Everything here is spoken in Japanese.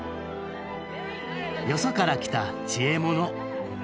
よそから来た知恵者。